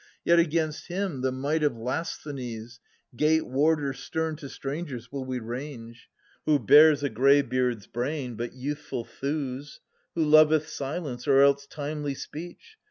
Yet against him the might of Lasthenes, Gate warder stern to strangers, will we range, 620 Who bears a greybeard's brain, but youthful thews, Who loveth silence, or else timely speech.